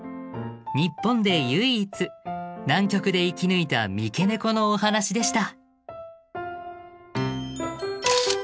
日本で唯一南極で生き抜いた三毛ネコのお話でした。